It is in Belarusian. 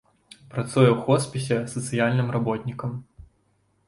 Працуе ў хоспісе сацыяльным работнікам.